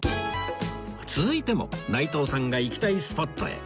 続いても内藤さんが行きたいスポットへ